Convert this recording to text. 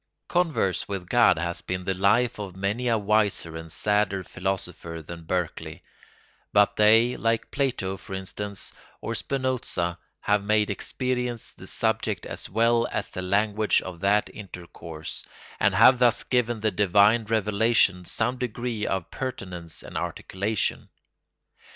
Converse with God has been the life of many a wiser and sadder philosopher than Berkeley; but they, like Plato, for instance, or Spinoza, have made experience the subject as well as the language of that intercourse, and have thus given the divine revelation some degree of pertinence and articulation.